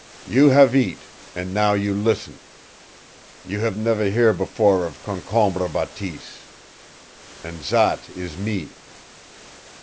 "You have eat, an' now you lissen. You have never hear' before of Concombre Bateese. An' zat ees me.